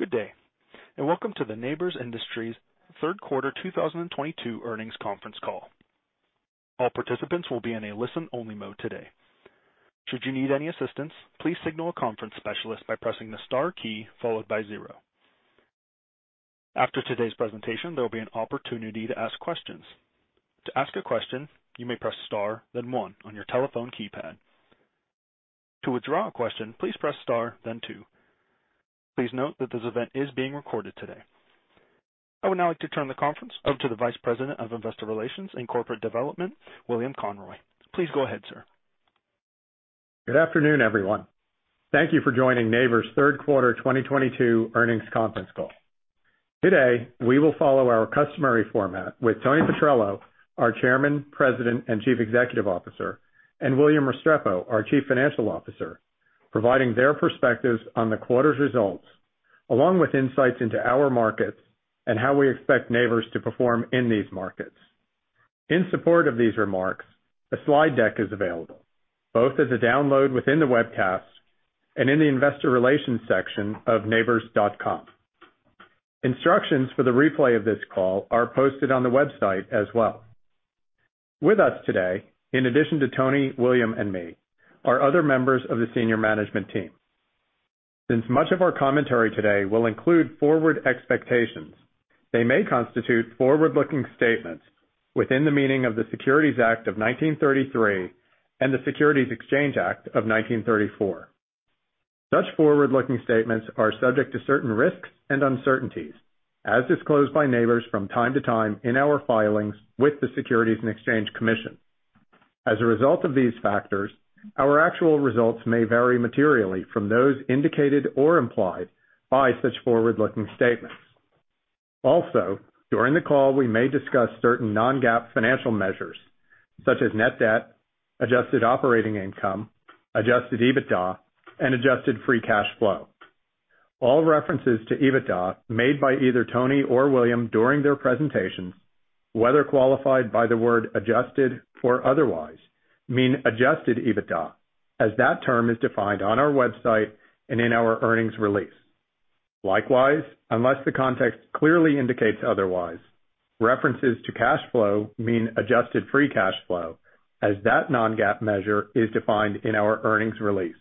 Good day, and welcome to the Nabors Industries third quarter 2022 earnings conference call. All participants will be in a listen-only mode today. Should you need any assistance, please signal a conference specialist by pressing the star key followed by zero. After today's presentation, there will be an opportunity to ask questions. To ask a question, you may press star, then one on your telephone keypad. To withdraw a question, please press star then two. Please note that this event is being recorded today. I would now like to turn the conference over to the Vice President of Investor Relations and Corporate Development, William Conroy. Please go ahead, sir. Good afternoon, everyone. Thank you for joining Nabors third quarter 2022 earnings conference call. Today, we will follow our customary format with Tony Petrello, our Chairman, President, and Chief Executive Officer, and William Restrepo, our Chief Financial Officer, providing their perspectives on the quarter's results, along with insights into our markets and how we expect Nabors to perform in these markets. In support of these remarks, a slide deck is available, both as a download within the webcast and in the investor relations section of nabors.com. Instructions for the replay of this call are posted on the website as well. With us today, in addition to Tony, William, and me, are other members of the senior management team. Since much of our commentary today will include forward expectations, they may constitute forward-looking statements within the meaning of the Securities Act of 1933 and the Securities Exchange Act of 1934. Such forward-looking statements are subject to certain risks and uncertainties as disclosed by Nabors from time to time in our filings with the Securities and Exchange Commission. As a result of these factors, our actual results may vary materially from those indicated or implied by such forward-looking statements. Also, during the call, we may discuss certain non-GAAP financial measures such as net debt, adjusted operating income, adjusted EBITDA, and adjusted free cash flow. All references to EBITDA made by either Tony or William during their presentations, whether qualified by the word adjusted or otherwise, mean adjusted EBITDA, as that term is defined on our website and in our earnings release. Likewise, unless the context clearly indicates otherwise, references to cash flow mean adjusted free cash flow, as that non-GAAP measure is defined in our earnings release.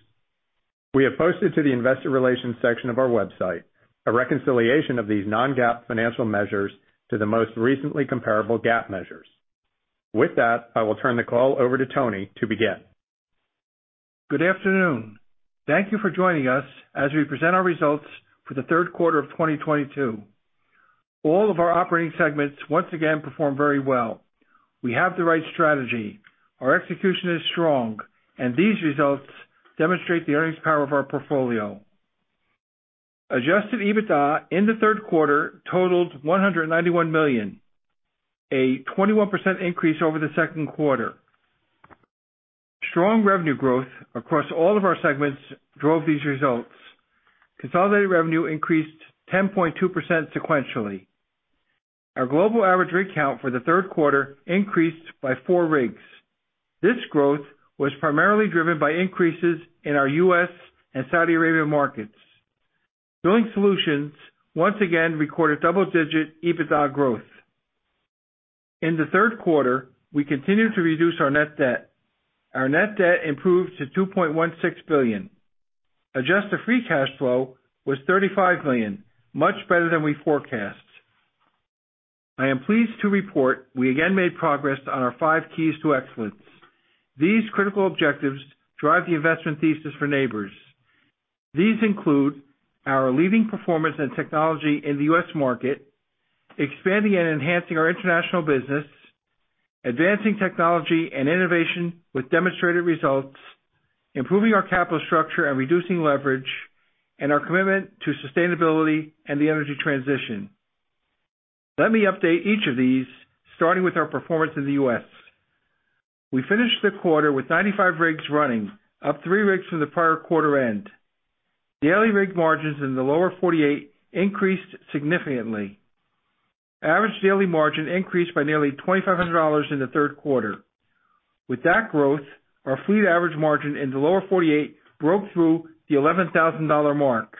We have posted to the investor relations section of our website a reconciliation of these non-GAAP financial measures to the most recently comparable GAAP measures. With that, I will turn the call over to Tony to begin. Good afternoon. Thank you for joining us as we present our results for the third quarter of 2022. All of our operating segments once again performed very well. We have the right strategy. Our execution is strong, and these results demonstrate the earnings power of our portfolio. Adjusted EBITDA in the third quarter totaled $191 million, a 21% increase over the second quarter. Strong revenue growth across all of our segments drove these results. Consolidated revenue increased 10.2% sequentially. Our global average rig count for the third quarter increased by 4 rigs. This growth was primarily driven by increases in our U.S. and Saudi Arabian markets. Drilling Solutions once again recorded double-digit EBITDA growth. In the third quarter, we continued to reduce our net debt. Our net debt improved to $2.16 billion. Adjusted free cash flow was $35 million, much better than we forecast. I am pleased to report we again made progress on our five keys to excellence. These critical objectives drive the investment thesis for Nabors. These include our leading performance and technology in the U.S. market, expanding and enhancing our international business, advancing technology and innovation with demonstrated results, improving our capital structure and reducing leverage, and our commitment to sustainability and the energy transition. Let me update each of these, starting with our performance in the U.S. We finished the quarter with 95 rigs running, up three rigs from the prior quarter end. Daily rig margins in the Lower 48 increased significantly. Average daily margin increased by nearly $2,500 in the third quarter. With that growth, our fleet average margin in the Lower 48 broke through the $11,000 mark.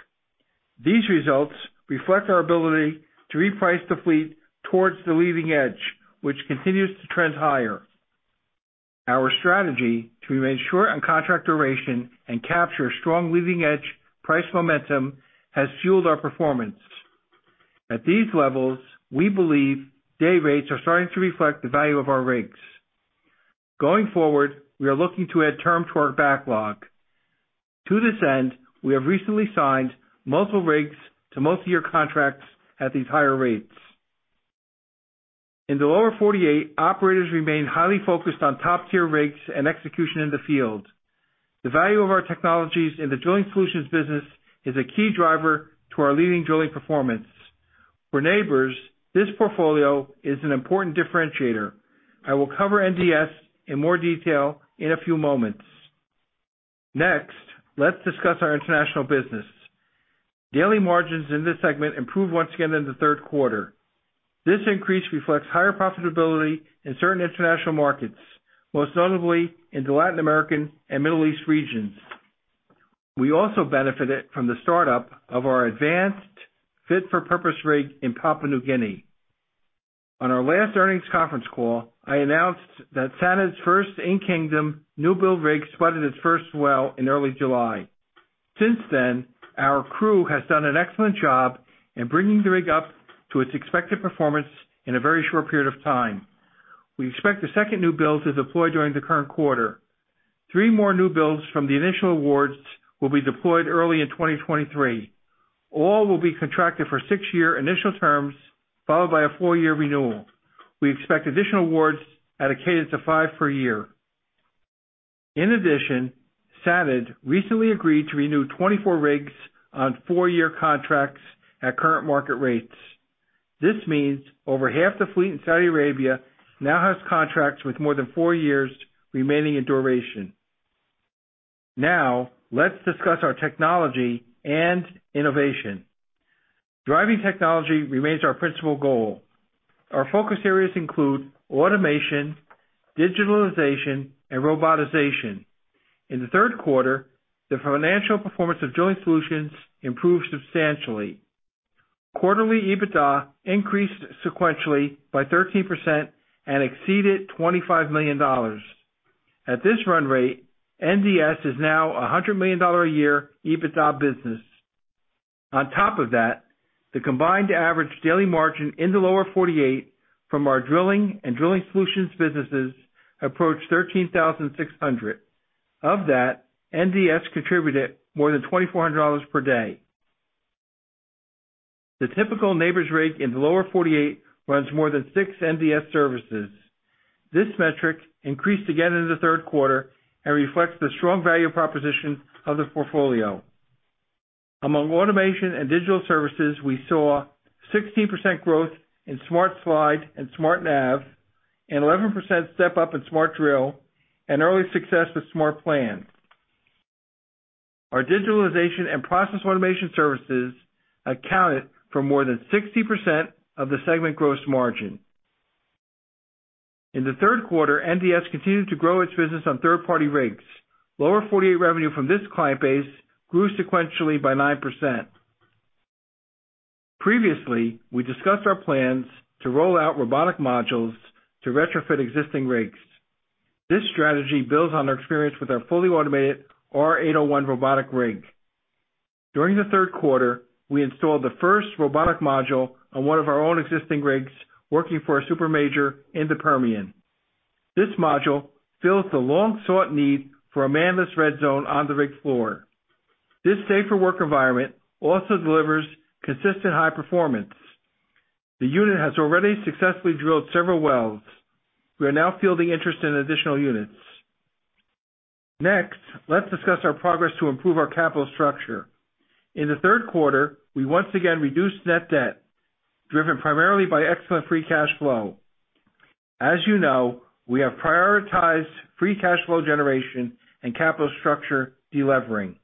These results reflect our ability to reprice the fleet towards the leading edge, which continues to trend higher. Our strategy to remain short on contract duration and capture strong leading-edge price momentum has fueled our performance. At these levels, we believe day rates are starting to reflect the value of our rigs. Going forward, we are looking to add term to our backlog. To this end, we have recently signed multiple rigs to multiyear contracts at these higher rates. In the lower 48, operators remain highly focused on top-tier rigs and execution in the field. The value of our technologies in the drilling solutions business is a key driver to our leading drilling performance. For Nabors, this portfolio is an important differentiator. I will cover NDS in more detail in a few moments. Next, let's discuss our international business. Daily margins in this segment improved once again in the third quarter. This increase reflects higher profitability in certain international markets, most notably in the Latin American and Middle East regions. We also benefited from the startup of our advanced fit-for-purpose rig in Papua New Guinea. On our last earnings conference call, I announced that SANAD's first in-kingdom new-build rig spudded its first well in early July. Since then, our crew has done an excellent job in bringing the rig up to its expected performance in a very short period of time. We expect the second new build to deploy during the current quarter. Three more new builds from the initial awards will be deployed early in 2023. All will be contracted for 6-year initial terms, followed by a 4-year renewal. We expect additional awards at a cadence of 5 per year. In addition, SANAD recently agreed to renew 24 rigs on 4-year contracts at current market rates. This means over half the fleet in Saudi Arabia now has contracts with more than four years remaining in duration. Now let's discuss our technology and innovation. Driving technology remains our principal goal. Our focus areas include automation, digitalization, and robotization. In the third quarter, the financial performance of Drilling Solutions improved substantially. Quarterly EBITDA increased sequentially by 13% and exceeded $25 million. At this run rate, NDS is now a $100 million a year EBITDA business. On top of that, the combined average daily margin in the Lower 48 from our drilling and Drilling Solutions businesses approached $13,600. Of that, NDS contributed more than $2,400 per day. The typical Nabors rig in the Lower 48 runs more than six NDS services. This metric increased again in the third quarter and reflects the strong value proposition of the portfolio. Among automation and digital services, we saw 16% growth in SmartSLIDE and SmartNAV, and 11% step-up in SmartDRILL, and early success with SmartPLAN. Our digitalization and process automation services accounted for more than 60% of the segment gross margin. In the third quarter, NDS continued to grow its business on third-party rigs. Lower 48 revenue from this client base grew sequentially by 9%. Previously, we discussed our plans to roll out robotic modules to retrofit existing rigs. This strategy builds on our experience with our fully automated PACE-R801 robotic rig. During the third quarter, we installed the first robotic module on one of our own existing rigs working for a super major in the Permian. This module fills the long-sought need for a manless red zone on the rig floor. This safer work environment also delivers consistent high performance. The unit has already successfully drilled several wells. We are now fielding interest in additional units. Next, let's discuss our progress to improve our capital structure. In the third quarter, we once again reduced net debt, driven primarily by excellent free cash flow. As you know, we have prioritized free cash flow generation and capital structure de-levering.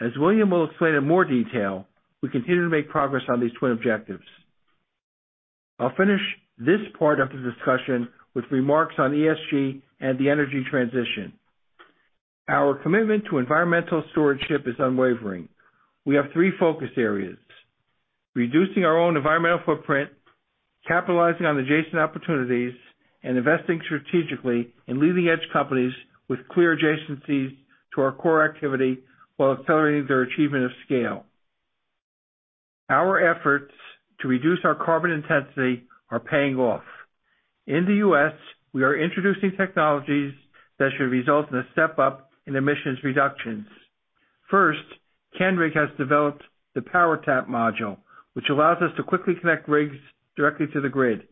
As William will explain in more detail, we continue to make progress on these twin objectives. I'll finish this part of the discussion with remarks on ESG and the energy transition. Our commitment to environmental stewardship is unwavering. We have three focus areas, reducing our own environmental footprint, capitalizing on adjacent opportunities, and investing strategically in leading-edge companies with clear adjacencies to our core activity while accelerating their achievement of scale. Our efforts to reduce our carbon intensity are paying off. In the U.S., we are introducing technologies that should result in a step-up in emissions reductions. First, Canrig has developed the PowerTAP module, which allows us to quickly connect rigs directly to the grid.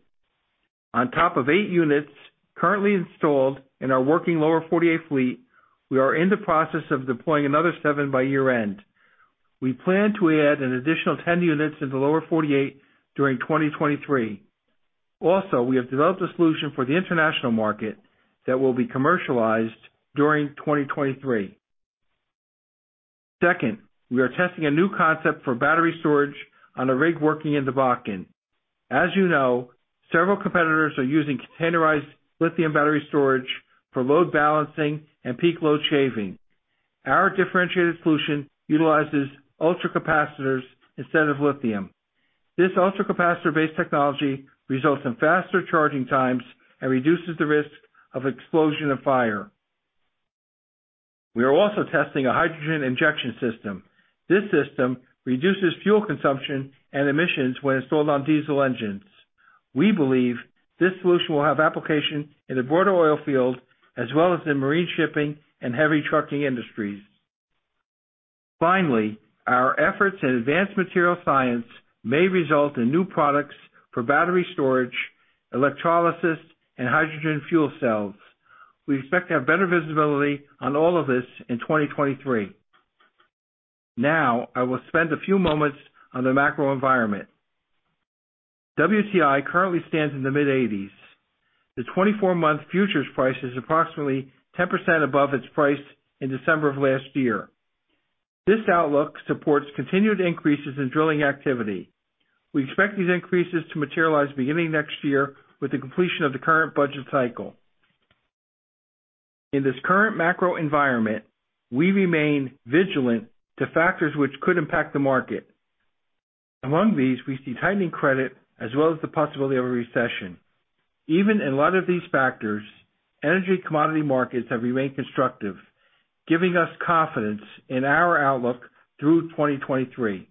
On top of eight units currently installed in our working Lower 48 fleet, we are in the process of deploying another 7 by year-end. We plan to add an additional 10 units in the Lower 48 during 2023. Also, we have developed a solution for the international market that will be commercialized during 2023. Second, we are testing a new concept for battery storage on a rig working in the Bakken. As you know, several competitors are using containerized lithium battery storage for load balancing and peak load shaving. Our differentiated solution utilizes ultracapacitors instead of lithium. This ultracapacitor-based technology results in faster charging times and reduces the risk of explosion and fire. We are also testing a hydrogen injection system. This system reduces fuel consumption and emissions when installed on diesel engines. We believe this solution will have application in the broader oil field as well as in marine shipping and heavy trucking industries. Finally, our efforts in advanced material science may result in new products for battery storage, electrolysis, and hydrogen fuel cells. We expect to have better visibility on all of this in 2023. Now, I will spend a few moments on the macro environment. WTI currently stands in the mid-$80s. The 24-month futures price is approximately 10% above its price in December of last year. This outlook supports continued increases in drilling activity. We expect these increases to materialize beginning next year with the completion of the current budget cycle. In this current macro environment, we remain vigilant to factors which could impact the market. Among these, we see tightening credit as well as the possibility of a recession. Even in light of these factors, energy commodity markets have remained constructive, giving us confidence in our outlook through 2023.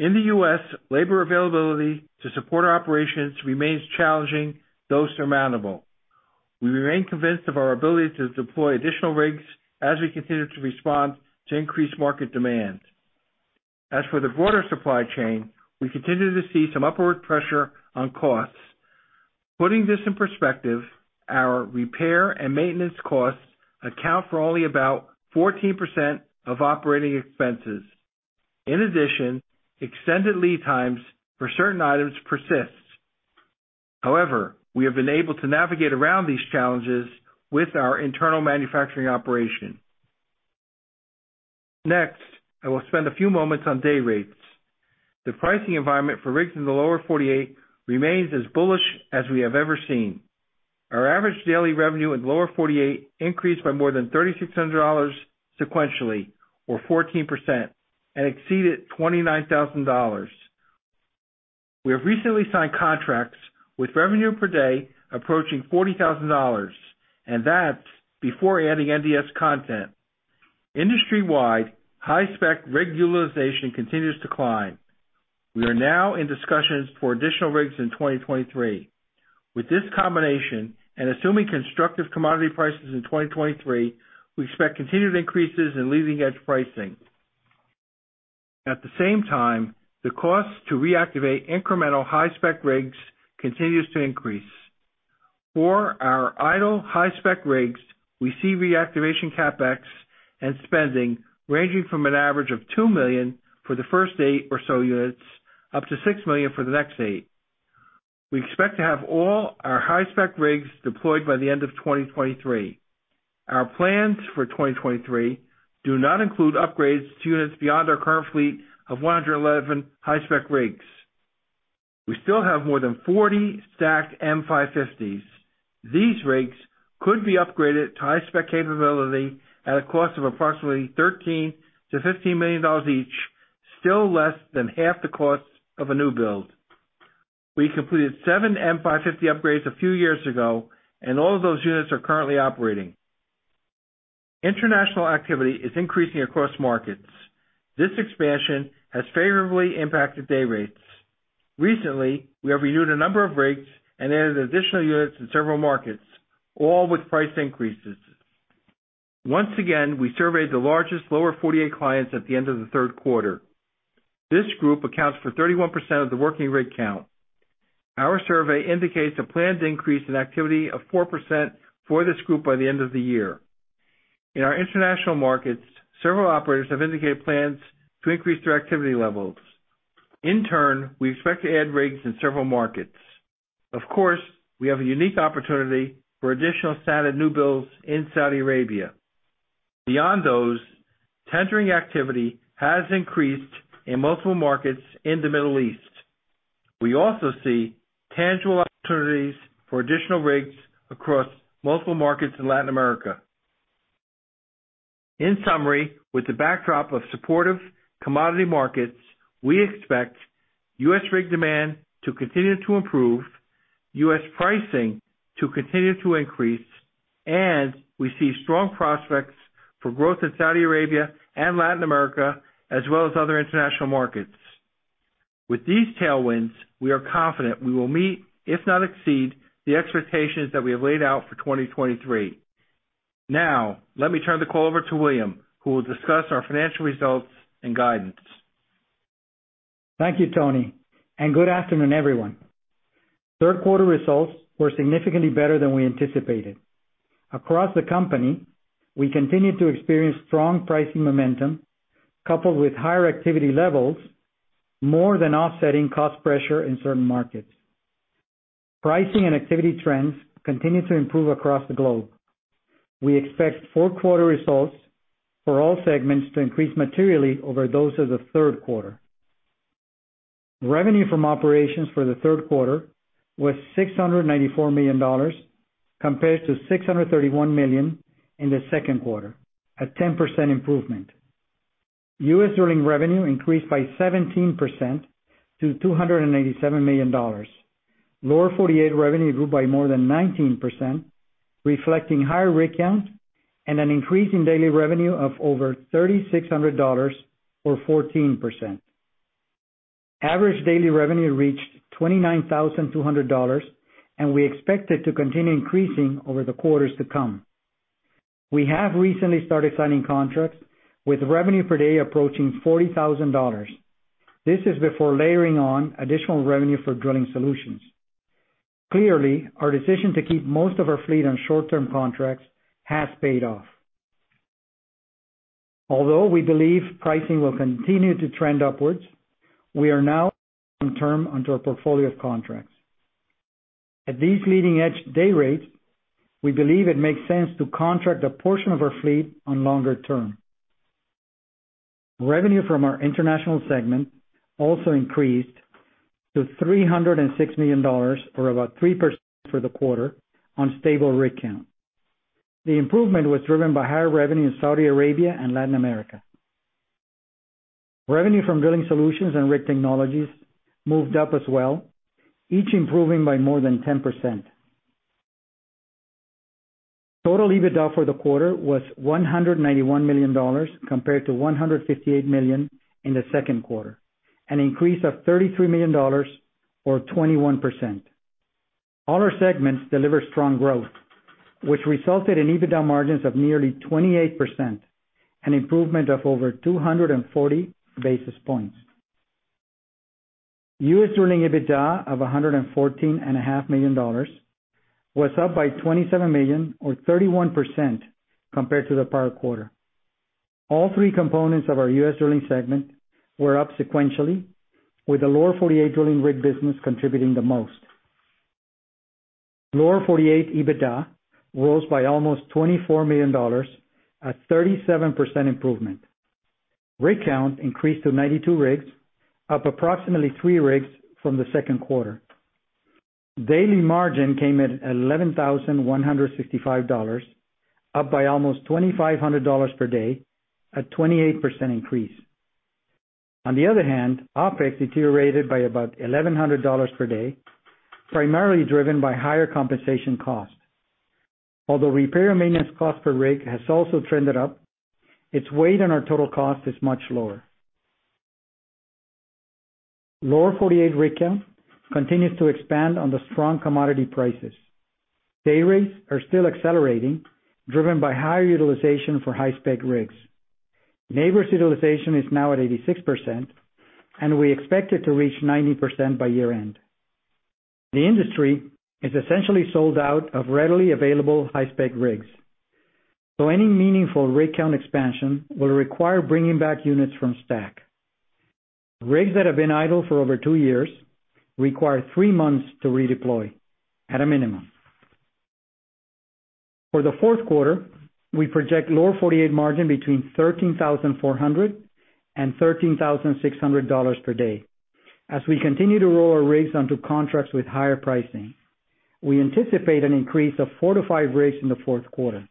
In the U.S., labor availability to support our operations remains challenging, though surmountable. We remain convinced of our ability to deploy additional rigs as we continue to respond to increased market demand. As for the broader supply chain, we continue to see some upward pressure on costs. Putting this in perspective, our repair and maintenance costs account for only about 14% of operating expenses. In addition, extended lead times for certain items persists. However, we have been able to navigate around these challenges with our internal manufacturing operation. Next, I will spend a few moments on day rates. The pricing environment for rigs in the Lower 48 remains as bullish as we have ever seen. Our average daily revenue in Lower 48 increased by more than $3,600 sequentially or 14% and exceeded $29,000. We have recently signed contracts with revenue per day approaching $40,000, and that's before adding NDS content. Industry-wide, high-spec rig utilization continues to climb. We are now in discussions for additional rigs in 2023. With this combination, and assuming constructive commodity prices in 2023, we expect continued increases in leading-edge pricing. At the same time, the cost to reactivate incremental high-spec rigs continues to increase. For our idle high-spec rigs, we see reactivation CapEx and spending ranging from an average of $2 million for the first eight or so units, up to $6 million for the next eight. We expect to have all our high-spec rigs deployed by the end of 2023. Our plans for 2023 do not include upgrades to units beyond our current fleet of 111 high-spec rigs. We still have more than 40 stacked M550s. These rigs could be upgraded to high-spec capability at a cost of approximately $13-$15 million each, still less than half the cost of a new build. We completed seven PACE-M550 upgrades a few years ago, and all of those units are currently operating. International activity is increasing across markets. This expansion has favorably impacted day rates. Recently, we have renewed a number of rigs and added additional units in several markets, all with price increases. Once again, we surveyed the largest Lower 48 clients at the end of the third quarter. This group accounts for 31% of the working rig count. Our survey indicates a planned increase in activity of 4% for this group by the end of the year. In our international markets, several operators have indicated plans to increase their activity levels. In turn, we expect to add rigs in several markets. Of course, we have a unique opportunity for additional standard new builds in Saudi Arabia. Beyond those, tendering activity has increased in multiple markets in the Middle East. We also see tangible opportunities for additional rigs across multiple markets in Latin America. In summary, with the backdrop of supportive commodity markets, we expect U.S. rig demand to continue to improve, U.S. pricing to continue to increase, and we see strong prospects for growth in Saudi Arabia and Latin America, as well as other international markets. With these tailwinds, we are confident we will meet, if not exceed, the expectations that we have laid out for 2023. Now, let me turn the call over to William, who will discuss our financial results and guidance. Thank you, Tony, and good afternoon, everyone. Third quarter results were significantly better than we anticipated. Across the company, we continued to experience strong pricing momentum coupled with higher activity levels, more than offsetting cost pressure in certain markets. Pricing and activity trends continued to improve across the globe. We expect fourth quarter results for all segments to increase materially over those of the third quarter. Revenue from operations for the third quarter was $694 million, compared to $631 million in the second quarter, a 10% improvement. U.S. drilling revenue increased by 17% to $287 million. Lower 48 revenue grew by more than 19%, reflecting higher rig count and an increase in daily revenue of over $3,600 or 14%. Average daily revenue reached $29,200, and we expect it to continue increasing over the quarters to come. We have recently started signing contracts with revenue per day approaching $40,000. This is before layering on additional revenue for drilling solutions. Clearly, our decision to keep most of our fleet on short-term contracts has paid off. Although we believe pricing will continue to trend upwards, we are now turning to our portfolio of contracts. At these leading edge day rates, we believe it makes sense to contract a portion of our fleet on longer term. Revenue from our international segment also increased to $306 million, or about 3% for the quarter on stable rig count. The improvement was driven by higher revenue in Saudi Arabia and Latin America. Revenue from Drilling Solutions and Rig Technologies moved up as well, each improving by more than 10%. Total EBITDA for the quarter was $191 million compared to $158 million in the second quarter, an increase of $33 million or 21%. All our segments delivered strong growth, which resulted in EBITDA margins of nearly 28%, an improvement of over 240 basis points. U.S. drilling EBITDA of $114 and a half million was up by $27 million or 31% compared to the prior quarter. All three components of our U.S. drilling segment were up sequentially, with the lower 48 drilling rig business contributing the most. Lower 48 EBITDA rose by almost $24 million, a 37% improvement. Rig count increased to 92 rigs, up approximately three rigs from the second quarter. Daily margin came at $11,165, up by almost $2,500 per day, a 28% increase. On the other hand, OpEx deteriorated by about $1,100 per day, primarily driven by higher compensation costs. Although repair and maintenance cost per rig has also trended up, its weight on our total cost is much lower. Lower 48 rig count continues to expand on the strong commodity prices. Day rates are still accelerating, driven by higher utilization for high-spec rigs. Nabors utilization is now at 86%, and we expect it to reach 90% by year-end. The industry is essentially sold out of readily available high-spec rigs. Any meaningful rig count expansion will require bringing back units from stack. Rigs that have been idle for over two years require three months to redeploy at a minimum. For the fourth quarter, we project Lower 48 margin between $13,400 and $13,600 per day. As we continue to roll our rigs onto contracts with higher pricing, we anticipate an increase of 4-5 rigs in the fourth quarter.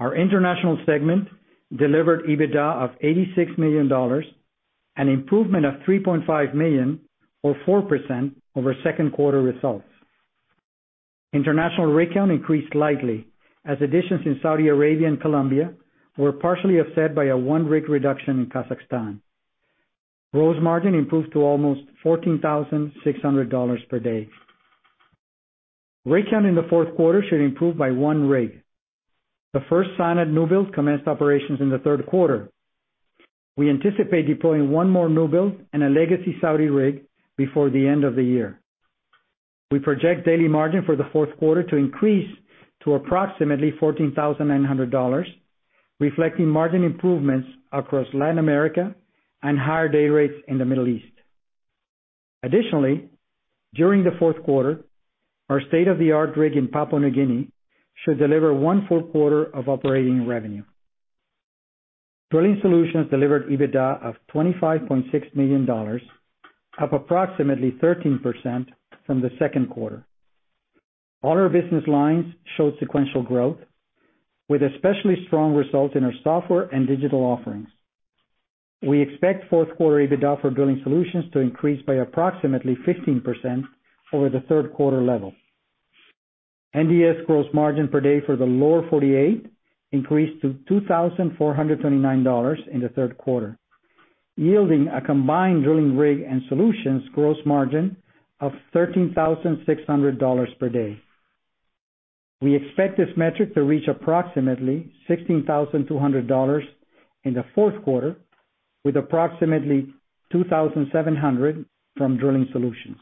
Our international segment delivered EBITDA of $86 million, an improvement of $3.5 million or 4% over second quarter results. International rig count increased slightly as additions in Saudi Arabia and Colombia were partially offset by a one rig reduction in Kazakhstan. Gross margin improved to almost $14,600 per day. Rig count in the fourth quarter should improve by one rig. The first signed new builds commenced operations in the third quarter. We anticipate deploying one more new build and a legacy Saudi rig before the end of the year. We project daily margin for the fourth quarter to increase to approximately $14,900, reflecting margin improvements across Latin America and higher day rates in the Middle East. Additionally, during the fourth quarter, our state-of-the-art rig in Papua New Guinea should deliver one full quarter of operating revenue. Drilling Solutions delivered EBITDA of $25.6 million, up approximately 13% from the second quarter. All our business lines showed sequential growth, with especially strong results in our software and digital offerings. We expect fourth quarter EBITDA for Drilling Solutions to increase by approximately 15% over the third quarter level. NDS gross margin per day for the lower 48 increased to $2,429 in the third quarter, yielding a combined drilling rig and solutions gross margin of $13,600 per day. We expect this metric to reach approximately $16,200 in the fourth quarter, with approximately $2,700 from Drilling Solutions.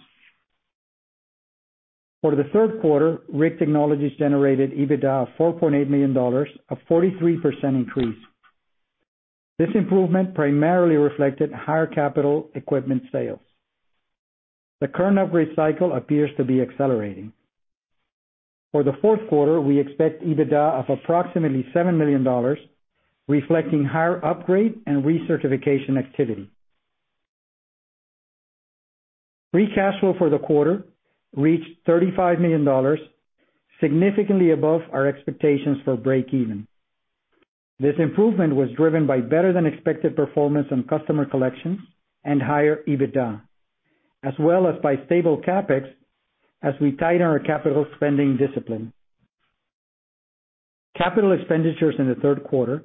For the third quarter, Rig Technologies generated EBITDA of $4.8 million, a 43% increase. This improvement primarily reflected higher capital equipment sales. The current upgrade cycle appears to be accelerating. For the fourth quarter, we expect EBITDA of approximately $7 million, reflecting higher upgrade and recertification activity. Free cash flow for the quarter reached $35 million, significantly above our expectations for breakeven. This improvement was driven by better than expected performance on customer collections and higher EBITDA, as well as by stable CapEx as we tighten our capital spending discipline. Capital expenditures in the third quarter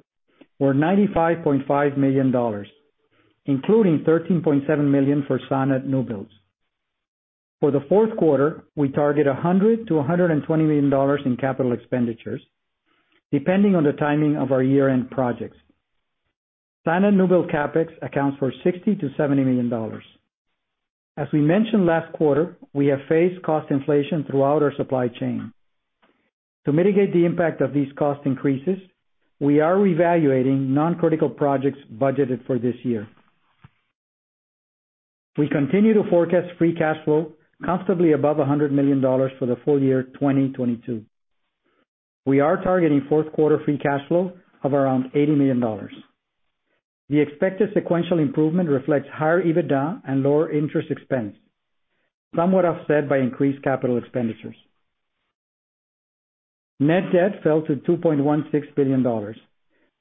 were $95.5 million, including $13.7 million for signed new builds. For the fourth quarter, we target $100 million-$120 million in capital expenditures, depending on the timing of our year-end projects. Signed new build CapEx accounts for $60 million-$70 million. As we mentioned last quarter, we have faced cost inflation throughout our supply chain. To mitigate the impact of these cost increases, we are reevaluating non-critical projects budgeted for this year. We continue to forecast free cash flow comfortably above $100 million for the full year 2022. We are targeting fourth quarter free cash flow of around $80 million. The expected sequential improvement reflects higher EBITDA and lower interest expense, somewhat offset by increased capital expenditures. Net debt fell to $2.16 billion,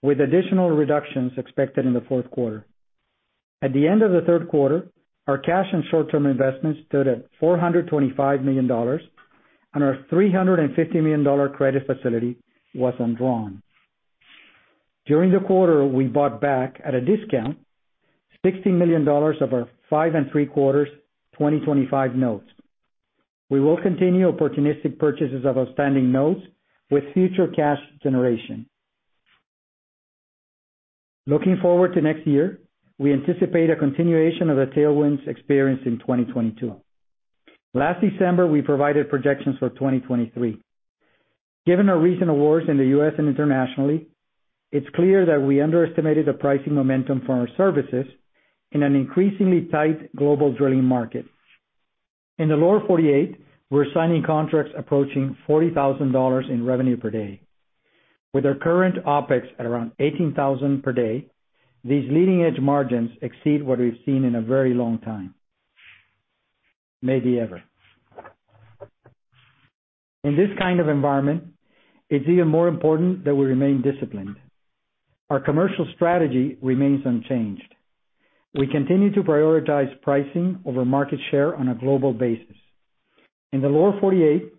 with additional reductions expected in the fourth quarter. At the end of the third quarter, our cash and short-term investments stood at $425 million, and our $350 million credit facility was undrawn. During the quarter, we bought back, at a discount, $60 million of our 5.75% 2025 notes. We will continue opportunistic purchases of outstanding notes with future cash generation. Looking forward to next year, we anticipate a continuation of the tailwinds experienced in 2022. Last December, we provided projections for 2023. Given our recent awards in the U.S. and internationally, it's clear that we underestimated the pricing momentum for our services in an increasingly tight global drilling market. In the Lower 48, we're signing contracts approaching $40,000 in revenue per day. With our current OpEx at around $18,000 per day, these leading-edge margins exceed what we've seen in a very long time, maybe ever. In this kind of environment, it's even more important that we remain disciplined. Our commercial strategy remains unchanged. We continue to prioritize pricing over market share on a global basis. In the Lower 48,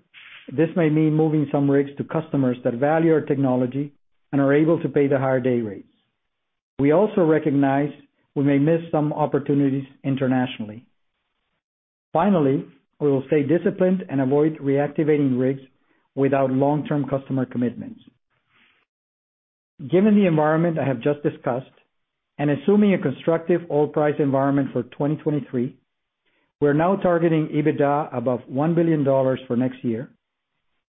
this may mean moving some rigs to customers that value our technology and are able to pay the higher day rates. We also recognize we may miss some opportunities internationally. Finally, we will stay disciplined and avoid reactivating rigs without long-term customer commitments. Given the environment I have just discussed, and assuming a constructive oil price environment for 2023, we're now targeting EBITDA above $1 billion for next year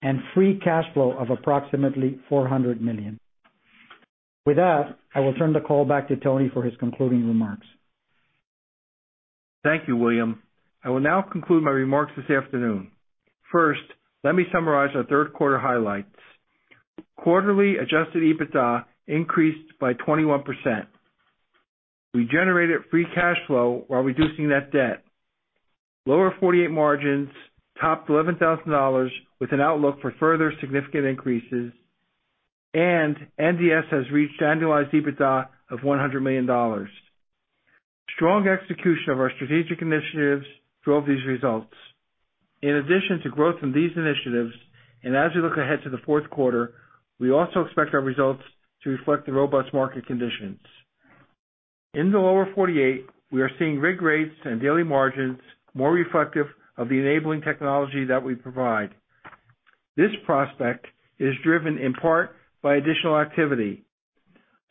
and free cash flow of approximately $400 million. With that, I will turn the call back to Tony for his concluding remarks. Thank you, William. I will now conclude my remarks this afternoon. First, let me summarize our third quarter highlights. Quarterly adjusted EBITDA increased by 21%. We generated free cash flow while reducing that debt. Lower 48 margins topped $11,000 with an outlook for further significant increases, and NDS has reached annualized EBITDA of $100 million. Strong execution of our strategic initiatives drove these results. In addition to growth in these initiatives, and as we look ahead to the fourth quarter, we also expect our results to reflect the robust market conditions. In the Lower 48, we are seeing rig rates and daily margins more reflective of the enabling technology that we provide. This prospect is driven in part by additional activity.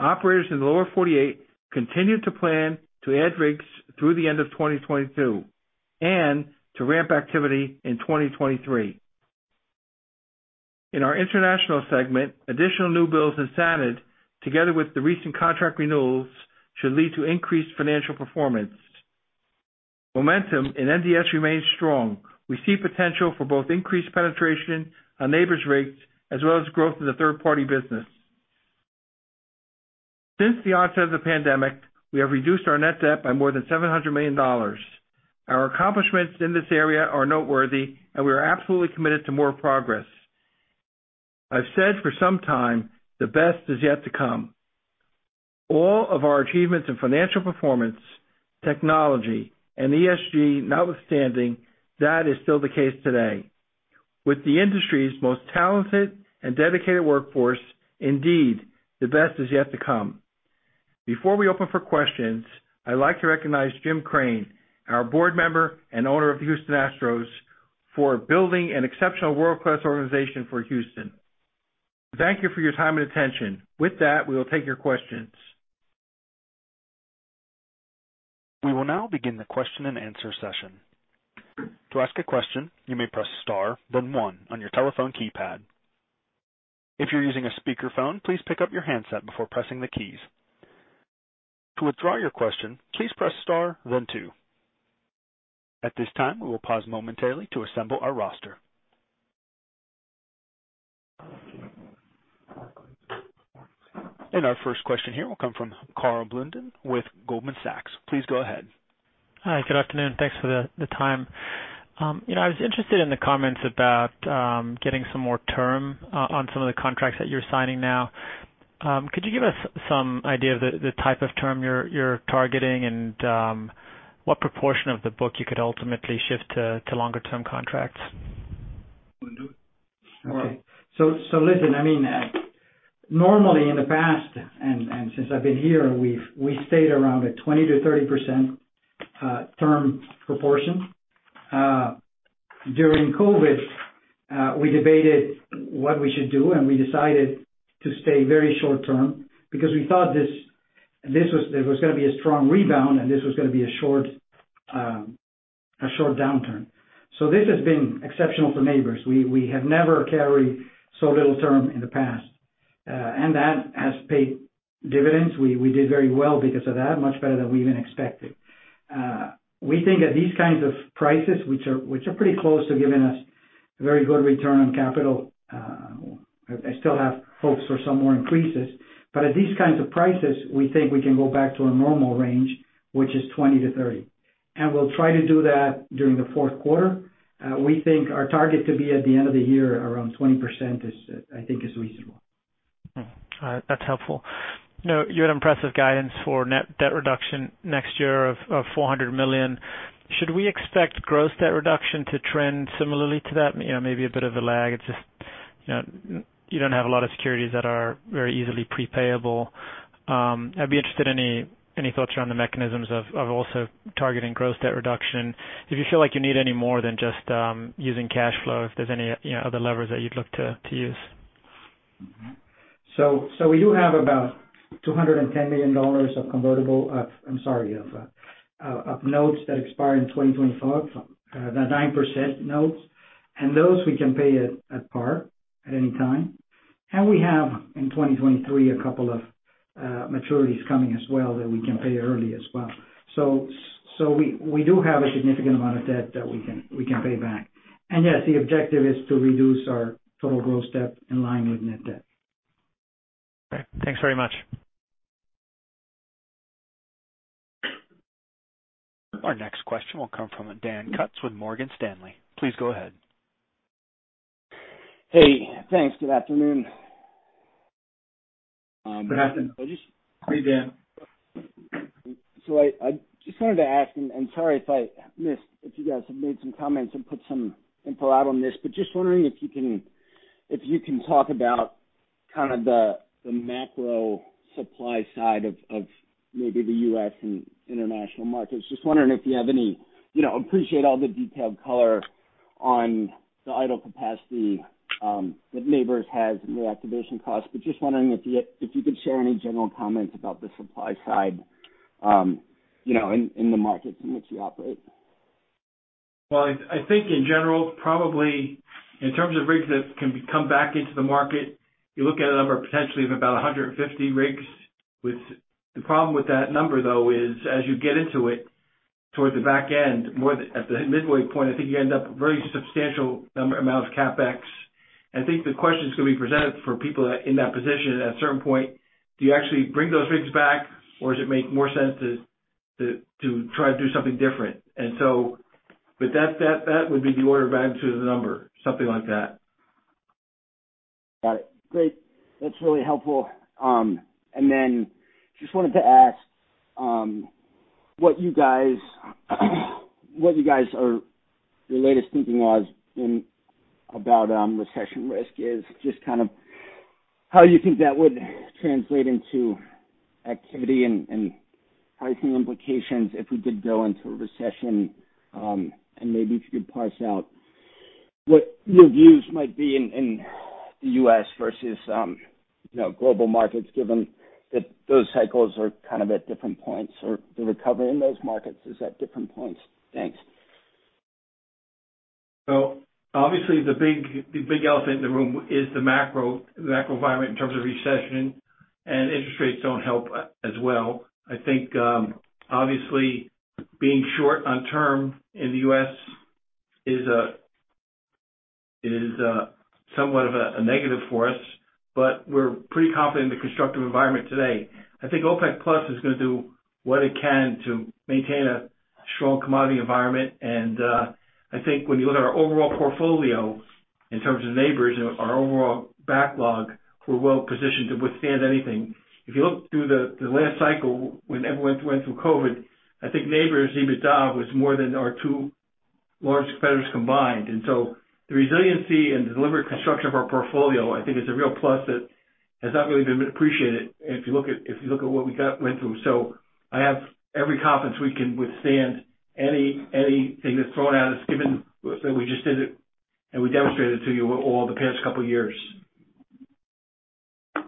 Operators in the Lower 48 continue to plan to add rigs through the end of 2022 and to ramp activity in 2023. In our international segment, additional new builds as standard, together with the recent contract renewals, should lead to increased financial performance. Momentum in NDS remains strong. We see potential for both increased penetration on Nabors' rates as well as growth in the third-party business. Since the onset of the pandemic, we have reduced our net debt by more than $700 million. Our accomplishments in this area are noteworthy, and we are absolutely committed to more progress. I've said for some time the best is yet to come. All of our achievements in financial performance, technology, and ESG notwithstanding, that is still the case today. With the industry's most talented and dedicated workforce, indeed, the best is yet to come. Before we open for questions, I'd like to recognize Jim Crane, our board member and owner of the Houston Astros, for building an exceptional world-class organization for Houston. Thank you for your time and attention. With that, we will take your questions. We will now begin the question-and-answer session. To ask a question, you may press star then one on your telephone keypad. If you're using a speakerphone, please pick up your handset before pressing the keys. To withdraw your question, please press star then two. At this time, we will pause momentarily to assemble our roster. Our first question here will come from Karl Blunden with Goldman Sachs. Please go ahead. Hi. Good afternoon. Thanks for the time. You know, I was interested in the comments about getting some more term on some of the contracts that you're signing now. Could you give us some idea of the type of term you're targeting and what proportion of the book you could ultimately shift to longer term contracts? Okay. Listen, I mean, normally in the past and since I've been here, we've stayed around a 20%-30% term proportion. During COVID, we debated what we should do, and we decided to stay very short term because we thought there was gonna be a strong rebound and this was gonna be a short downturn. This has been exceptional for Nabors. We have never carried so little term in the past, and that has paid dividends. We did very well because of that, much better than we even expected. We think at these kinds of prices, which are pretty close to giving us very good return on capital, I still have hopes for some more increases. At these kinds of prices, we think we can go back to a normal range, which is 20%-30%, and we'll try to do that during the fourth quarter. We think our target to be at the end of the year around 20% is, I think, reasonable. All right. That's helpful. You know, you had impressive guidance for net debt reduction next year of $400 million. Should we expect gross debt reduction to trend similarly to that? You know, maybe a bit of a lag. It's just, you know, you don't have a lot of securities that are very easily pre-payable. I'd be interested any thoughts around the mechanisms of also targeting gross debt reduction, if you feel like you need any more than just using cash flow, if there's any, you know, other levers that you'd look to use. We do have about $210 million of notes that expire in 2025. They're 9% notes, and those we can pay at par at any time. We have, in 2023, a couple of maturities coming as well that we can pay early as well. We do have a significant amount of debt that we can pay back. Yes, the objective is to reduce our total gross debt in line with net debt. Okay. Thanks very much. Our next question will come from Daniel Kutz with Morgan Stanley. Please go ahead. Hey, thanks. Good afternoon. Good afternoon. I just- Hey, Dan. I just wanted to ask, sorry if I missed, if you guys have made some comments and put some info out on this, but just wondering if you can talk about kind of the macro supply side of maybe the U.S. and international markets. Just wondering if you have any. You know, appreciate all the detailed color on the idle capacity that Nabors has and the activation costs, but just wondering if you could share any general comments about the supply side, you know, in the markets in which you operate. Well, I think in general, probably in terms of rigs that can come back into the market, you look at a number potentially of about 150 rigs, with the problem with that number, though, is as you get into it towards the back end, more at the midway point, I think you end up very substantial amount of CapEx. I think the question is gonna be presented for people in that position at a certain point, do you actually bring those rigs back or does it make more sense to try to do something different? With that would be the order of magnitude of the number, something like that. Got it. Great. That's really helpful. Just wanted to ask what you guys' latest thinking about recession risk is, just kind of how you think that would translate into activity and pricing implications if we did go into a recession. Maybe if you could parse out what your views might be in the U.S. versus you know global markets, given that those cycles are kind of at different points or the recovery in those markets is at different points. Thanks. Obviously the big elephant in the room is the macro environment in terms of recession and interest rates don't help as well. I think obviously being short-term in the US is somewhat of a negative for us, but we're pretty confident in the constructive environment today. I think OPEC+ is gonna do what it can to maintain a strong commodity environment. I think when you look at our overall portfolio in terms of Nabors and our overall backlog, we're well positioned to withstand anything. If you look through the last cycle, when everyone went through COVID, I think Nabors EBITDA was more than our two large competitors combined. The resiliency and delivery construction of our portfolio, I think, is a real plus that has not really been appreciated if you look at what we went through. I have every confidence we can withstand anything that's thrown at us, given that we just did it and we demonstrated it to you all the past couple of years.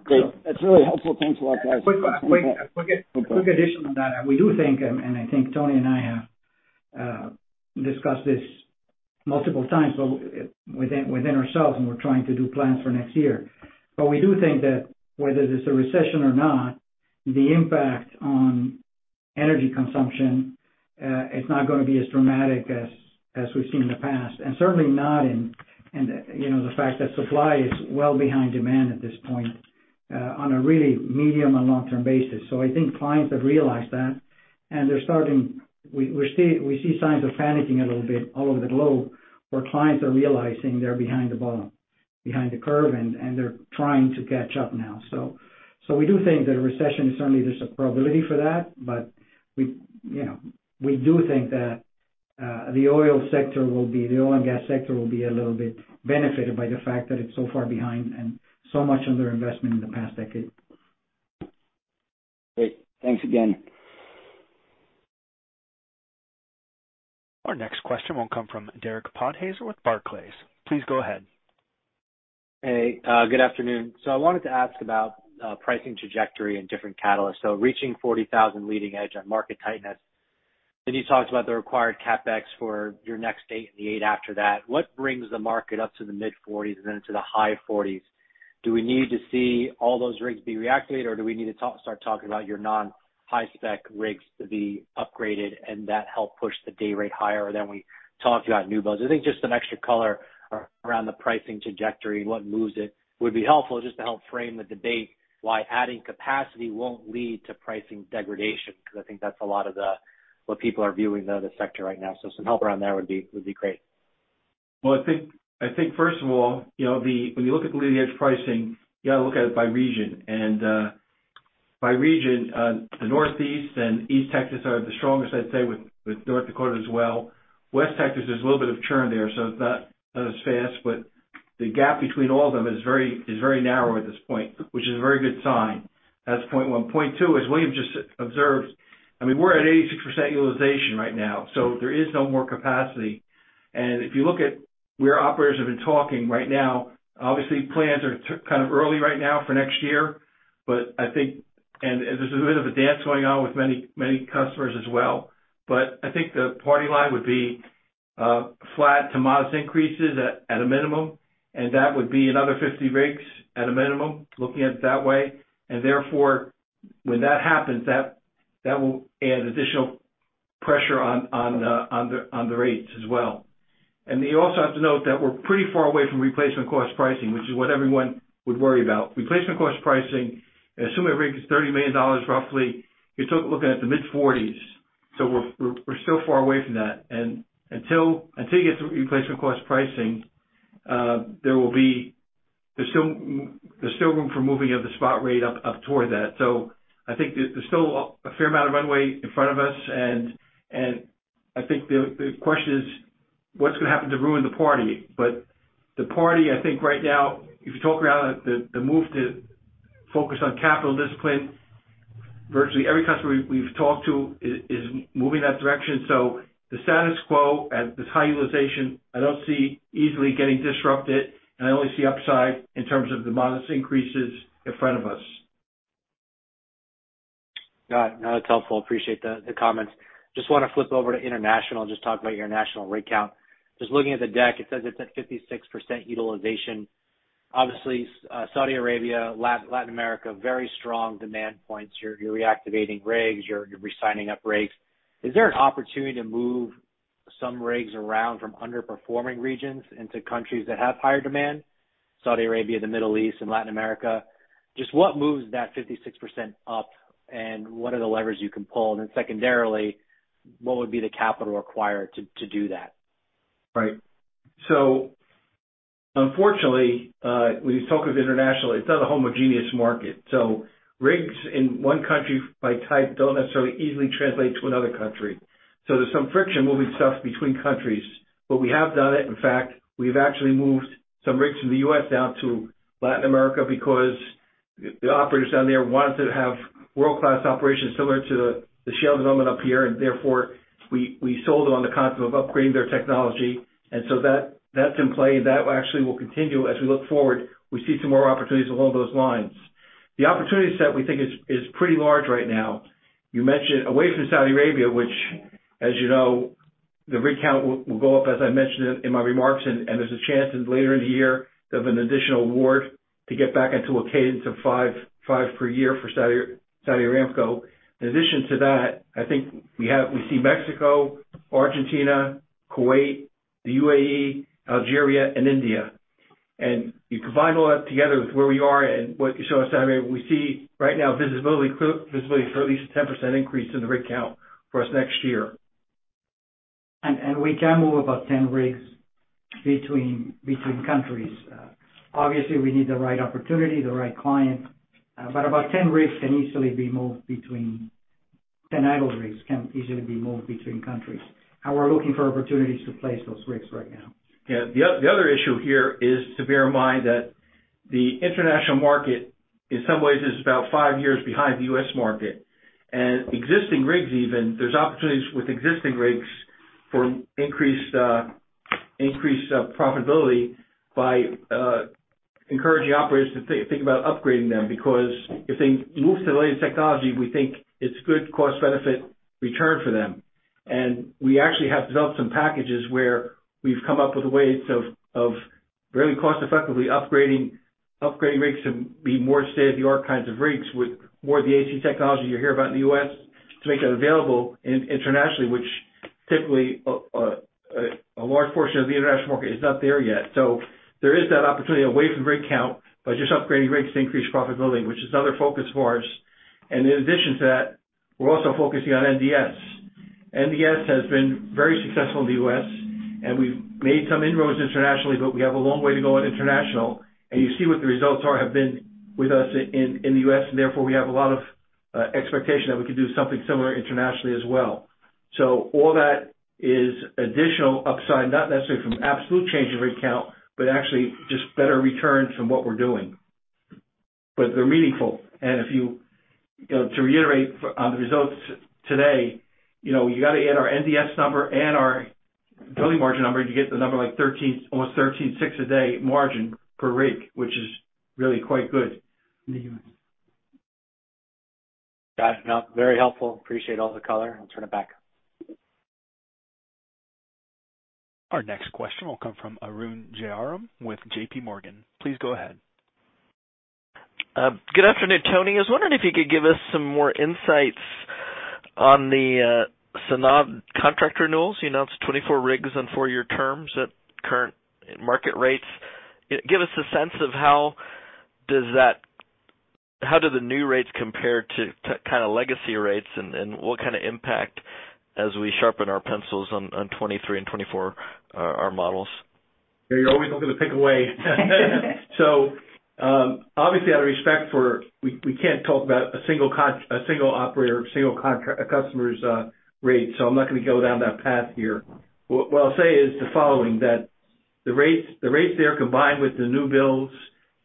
Great. That's really helpful. Thanks a lot, guys. A quick addition on that. We do think, and I think Tony and I have discussed this multiple times, but within ourselves, and we're trying to do plans for next year. We do think that whether there's a recession or not, the impact on energy consumption is not gonna be as dramatic as we've seen in the past, and certainly not in you know the fact that supply is well behind demand at this point on a really medium and long-term basis. I think clients have realized that, and they're starting. We see signs of panicking a little bit all over the globe, where clients are realizing they're behind the curve, and they're trying to catch up now. We do think that there's a probability for that. We, you know, we do think that the oil and gas sector will be a little bit benefited by the fact that it's so far behind and so much underinvestment in the past decade. Great. Thanks again. Our next question will come from Derek Podhaizer with Barclays. Please go ahead. Hey, good afternoon. I wanted to ask about pricing trajectory and different catalysts. Reaching $40,000 leading edge on market tightness. Then you talked about the required CapEx for your next 8 and the 8 after that. What brings the market up to the mid-$40s and then to the high $40s? Do we need to see all those rigs be reactivated, or do we need to start talking about your non-high-spec rigs to be upgraded and that help push the day rate higher than we talked about new builds? I think just some extra color around the pricing trajectory, what moves it, would be helpful just to help frame the debate, why adding capacity won't lead to pricing degradation, because I think that's a lot of what people are viewing the sector right now. Some help around there would be great. Well, I think first of all, you know, when you look at the leading edge pricing, you gotta look at it by region. By region, the Northeast and East Texas are the strongest, I'd say, with North Dakota as well. West Texas, there's a little bit of churn there, so it's not as fast. The gap between all of them is very narrow at this point, which is a very good sign. That's point one. Point two, as William just observed, I mean, we're at 86% utilization right now, so there is no more capacity. If you look at where operators have been talking right now, obviously, plans are kind of early right now for next year. I think and there's a bit of a dance going on with many customers as well. I think the party line would be flat to modest increases at a minimum, and that would be another 50 rigs at a minimum, looking at it that way. Therefore, when that happens, that will add additional pressure on the rates as well. You also have to note that we're pretty far away from replacement cost pricing, which is what everyone would worry about. Replacement cost pricing, assuming a rig is $30 million roughly, you're looking at the mid-40s. We're still far away from that. Until you get to replacement cost pricing, there's still room for moving of the spot rate up toward that. I think there's still a fair amount of runway in front of us. I think the question is, what's gonna happen to ruin the party? The party, I think right now, if you talk around the move to focus on capital discipline, virtually every customer we've talked to is moving that direction. The status quo at this high utilization, I don't see easily getting disrupted, and I only see upside in terms of the modest increases in front of us. Got it. No, that's helpful. Appreciate the comments. Just wanna flip over to international, just talk about your international rig count. Just looking at the deck, it says it's at 56% utilization. Obviously, Saudi Arabia, Latin America, very strong demand points. You're reactivating rigs, you're re-signing up rigs. Is there an opportunity to move some rigs around from underperforming regions into countries that have higher demand, Saudi Arabia, the Middle East, and Latin America? Just what moves that 56% up? And what are the levers you can pull? And then secondarily, what would be the capital required to do that? Right. Unfortunately, when you talk of international, it's not a homogeneous market. Rigs in one country by type don't necessarily easily translate to another country. There's some friction moving stuff between countries. We have done it. In fact, we've actually moved some rigs from the US down to Latin America because the operators down there wanted to have world-class operations similar to the shale development up here, and therefore, we sold it on the concept of upgrading their technology. That's in play, and that actually will continue. As we look forward, we see some more opportunities along those lines. The opportunity set, we think, is pretty large right now. You mentioned away from Saudi Arabia, which, as you know, the rig count will go up, as I mentioned in my remarks, and there's a chance later in the year of an additional award to get back into a cadence of five per year for Saudi Aramco. In addition to that, I think we see Mexico, Argentina, Kuwait, the UAE, Algeria, and India. You combine all that together with where we are and what you saw in Saudi Arabia, we see right now visibility for at least a 10% increase in the rig count for us next year. We can move about 10 rigs between countries. Obviously, we need the right opportunity, the right client, but 10 idle rigs can easily be moved between countries. We're looking for opportunities to place those rigs right now. Yeah. The other issue here is to bear in mind that the international market, in some ways, is about five years behind the U.S. market. Existing rigs even, there's opportunities with existing rigs for increased profitability by encouraging operators to think about upgrading them because if they move to the latest technology, we think it's good cost-benefit return for them. We actually have developed some packages where we've come up with ways of very cost effectively upgrading rigs to be more state-of-the-art kinds of rigs with more of the AC technology you hear about in the U.S. to make that available internationally, which typically a large portion of the international market is not there yet. There is that opportunity away from rig count by just upgrading rigs to increase profitability, which is another focus for us. In addition to that, we're also focusing on NDS. NDS has been very successful in the U.S., and we've made some inroads internationally, but we have a long way to go on international. You see what the results have been with us in the US, and therefore, we have a lot of expectation that we could do something similar internationally as well. All that is additional upside, not necessarily from absolute change of rig count, but actually just better return from what we're doing. They're meaningful. If you know, to reiterate on the results today, you know, you gotta add our NDS number and our billing margin number, you get the number like $13,000 - almost $13,600 a day margin per rig, which is really quite good in the U.S. Got it. No, very helpful. Appreciate all the color. I'll turn it back. Our next question will come from Arun Jayaram with JPMorgan. Please go ahead. Good afternoon, Tony. I was wondering if you could give us some more insights on the SANAD contract renewals. You announced 24 rigs on four-year terms at current market rates. Give us a sense of how do the new rates compare to kinda legacy rates and what kinda impact as we sharpen our pencils on 2023 and 2024 our models. Yeah, you're always looking to pick away. Obviously out of respect for we can't talk about a single operator, a single customer's rate, so I'm not gonna go down that path here. What I'll say is the following, that the rates there combined with the new builds,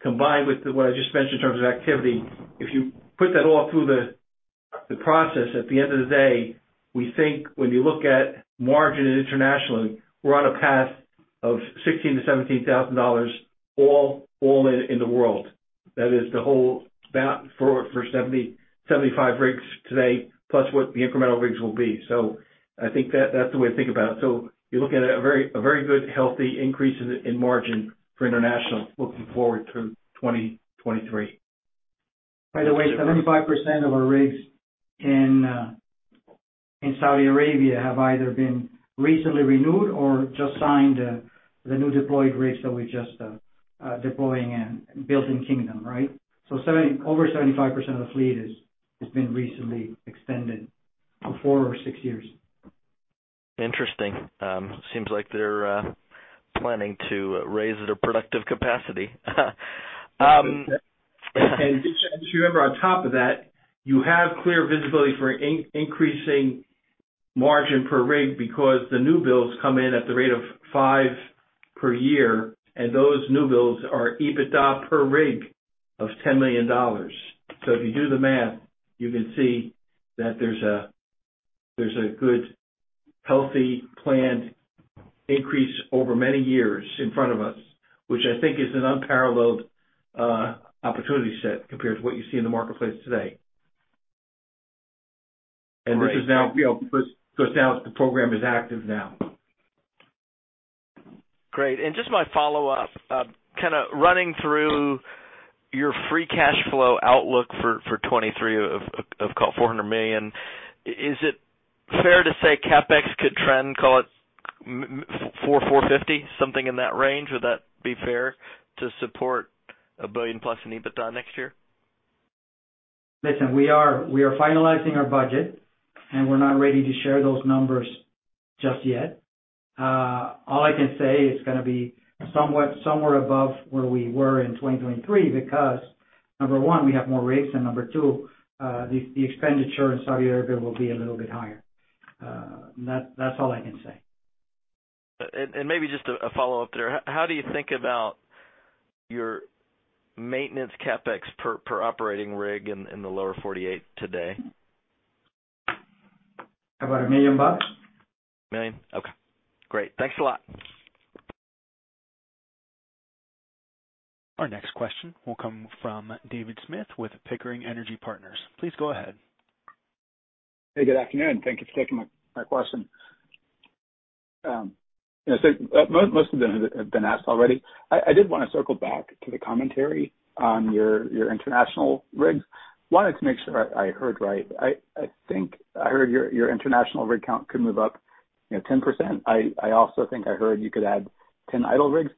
combined with what I just mentioned in terms of activity, if you put that all through the process, at the end of the day, we think when you look at margin internationally, we're on a path of $16,000-$17,000 all in in the world. That is the whole about 70-75 rigs today, plus what the incremental rigs will be. I think that's the way to think about it. You're looking at a very good healthy increase in margin for international, looking forward to 2023. By the way, 75% of our rigs in Saudi Arabia have either been recently renewed or just signed the new deployed rigs that we just deploying and built in Kingdom, right? Over 75% of the fleet has been recently extended to four or six years. Interesting. Seems like they're planning to raise their productive capacity. Just remember on top of that, you have clear visibility for increasing margin per rig because the new builds come in at the rate of 5 per year, and those new builds are EBITDA per rig of $10 million. So if you do the math, you can see that there's a good healthy planned increase over many years in front of us, which I think is an unparalleled opportunity set compared to what you see in the marketplace today. This is now, you know, goes down as the program is active now. Great. Just my follow-up, kinda running through your free cash flow outlook for 2023, call it $400 million. Is it fair to say CapEx could trend, call it $400-$450, something in that range? Would that be fair to support $1+ billion in EBITDA next year? Listen, we are finalizing our budget, and we're not ready to share those numbers just yet. All I can say is gonna be somewhat somewhere above where we were in 2023, because number one, we have more rigs, and number one, the expenditure in Saudi Arabia will be a little bit higher. That's all I can say. Maybe just a follow-up there. How do you think about your maintenance CapEx per operating rig in the Lower 48 today? About $1 million. Million? Okay. Great. Thanks a lot. Our next question will come from David Smith with Pickering Energy Partners. Please go ahead. Hey, good afternoon. Thank you for taking my question. Yeah, so most of them have been asked already. I did wanna circle back to the commentary on your international rigs. Wanted to make sure I heard right. I think I heard your international rig count could move up, you know, 10%. I also think I heard you could add 10 idle rigs.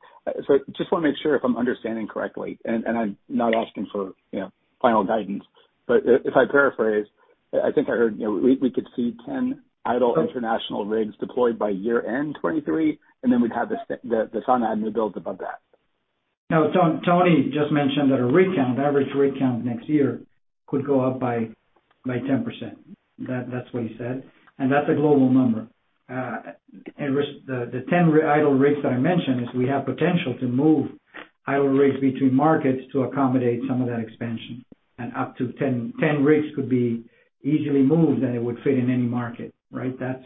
So just wanna make sure if I'm understanding correctly, and I'm not asking for, you know, final guidance. If I paraphrase, I think I heard, you know, we could see 10 idle international rigs deployed by year-end 2023, and then we'd have the SANAD new builds above that. No. Tony just mentioned that the average rig count next year could go up by 10%. That's what he said. That's a global number. The ten idle rigs that I mentioned. We have potential to move idle rigs between markets to accommodate some of that expansion. Up to 10 rigs could be easily moved, and it would fit in any market, right? That's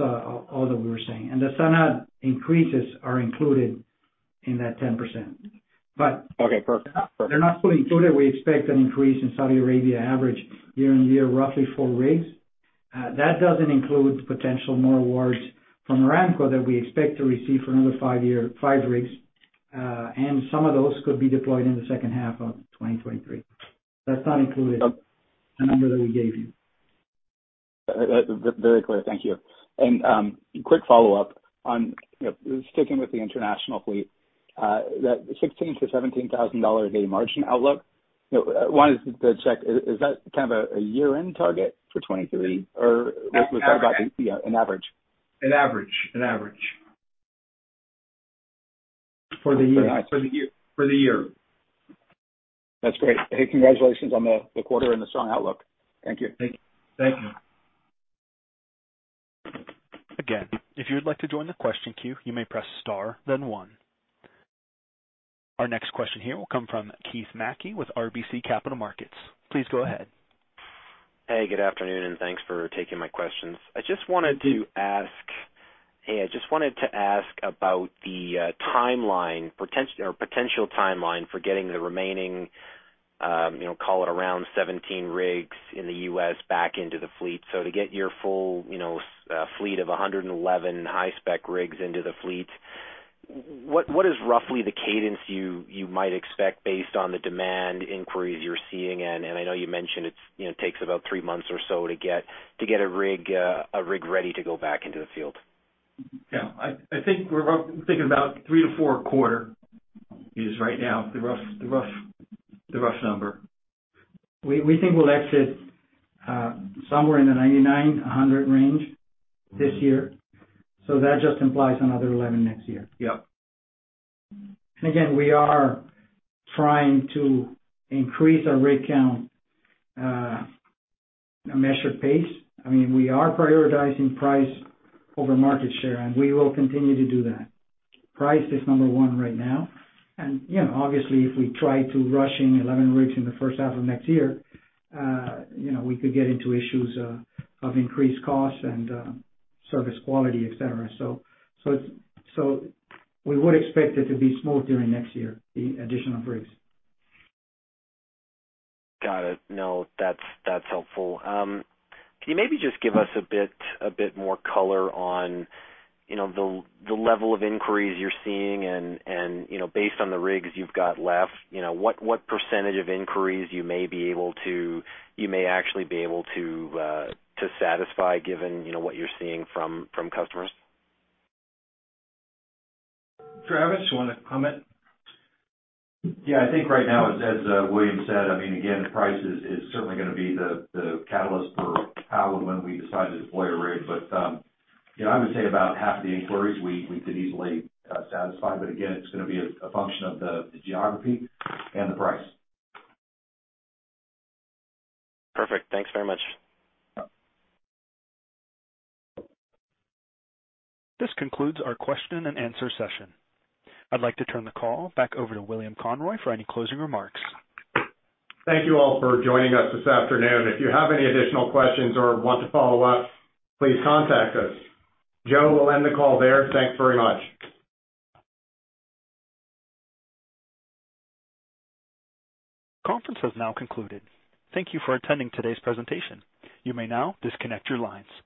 all that we were saying. The SANAD increases are included in that 10%. But- Okay, perfect. Perfect. They're not fully included. We expect an increase in Saudi Arabia average year-on-year, roughly four rigs. That doesn't include potential more awards from Aramco that we expect to receive for another five-year, five rigs. And some of those could be deployed in the second half of 2023. That's not included. Okay. The number that we gave you. Very clear. Thank you. Quick follow-up on, you know, sticking with the international fleet. That $16,000-$17,000 a day margin outlook. You know, wanted to check, is that kind of a year-end target for 2023? Or we- That's average. You know, an average. An average. For the year. For the year. That's great. Hey, congratulations on the quarter and the strong outlook. Thank you. Thank you. Again, if you would like to join the question queue, you may press Star then one. Our next question here will come from Keith Mackey with RBC Capital Markets. Please go ahead. Hey, good afternoon, and thanks for taking my questions. I just wanted to ask about the timeline or potential timeline for getting the remaining, you know, call it around 17 rigs in the U.S. back into the fleet. To get your full, you know, fleet of 111 high-spec rigs into the fleet, what is roughly the cadence you might expect based on the demand inquiries you're seeing? And I know you mentioned it's, you know, takes about 3 months or so to get a rig ready to go back into the field. Yeah, I think I'm thinking about 3-4 a quarter is right now the rough number. We think we'll exit somewhere in the 99-100 range this year, so that just implies another 11 next year. Yep. Again, we are trying to increase our rig count, a measured pace. I mean, we are prioritizing price over market share, and we will continue to do that. Price is number one right now and, you know, obviously if we try to rush in 11 rigs in the first half of next year, you know, we could get into issues, of increased costs and, service quality, et cetera. So we would expect it to be smooth during next year, the additional rigs. Got it. No, that's helpful. Can you maybe just give us a bit more color on, you know, the level of inquiries you're seeing and, you know, based on the rigs you've got left, you know, what percentage of inquiries you may actually be able to satisfy given, you know, what you're seeing from customers? Travis, you wanna comment? Yeah. I think right now, William said, I mean, again, price is certainly gonna be the catalyst for how and when we decide to deploy a rig. You know, I would say about half the inquiries we could easily satisfy. Again, it's gonna be a function of the geography and the price. Perfect. Thanks very much. Yep. This concludes our question and answer session. I'd like to turn the call back over to William Conroy for any closing remarks. Thank you all for joining us this afternoon. If you have any additional questions or want to follow up, please contact us. Joe, we'll end the call there. Thanks very much. Conference has now concluded. Thank you for attending today's presentation. You may now disconnect your lines.